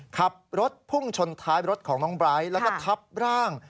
ขับรถพุ่งชนท้ายรถของน้องไบร์ทแล้วก็ทับร่าง